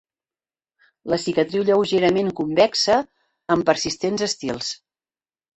La cicatriu lleugerament convexa, amb persistents estils.